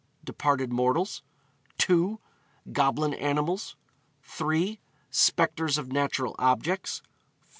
Departed Mortals; 2. Goblin Animals; 3. Spectres of Natural Objects; 4.